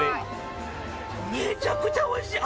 めちゃくちゃおいしい！